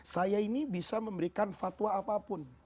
saya ini bisa memberikan fatwa apapun